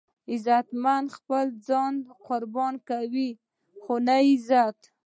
غیرتمند خپل ځان قرباني کوي خو عزت نه